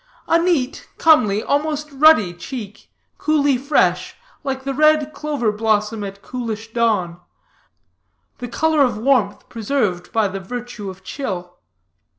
A neat, comely, almost ruddy cheek, coolly fresh, like a red clover blossom at coolish dawn the color of warmth preserved by the virtue of chill.